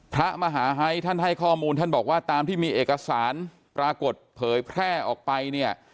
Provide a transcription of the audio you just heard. พระมหาไฮท่านให้ข้อมูลท่านบอกว่าตามที่มีเอกสารปรากฏเผยแพร่ออกไปเนี่ย